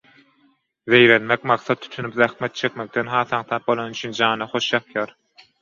Zeýrenmek maksat tutunyp zähmet çekmekden has aňsat bolany üçin jana hoş ýakýar